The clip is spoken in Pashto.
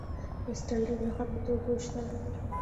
د سټنډرډ نښه په توکو شته؟